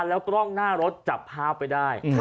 แล้วกล้องหน้ารถจับภาพไว้ได้